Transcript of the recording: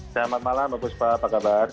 selamat malam bapak ispah apa kabar